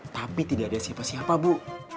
tapi tidak ada siapa siapa bu